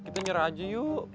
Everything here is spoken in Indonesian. kita nyerah aja yuk